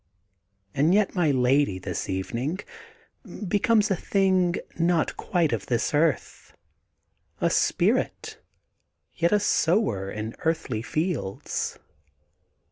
And yet my lady, this evening, becomes a thing not quite of this earth, a spirit, yet a sower in earthly fields.